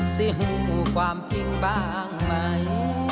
ซิหู้ความจริงบ้างใหม่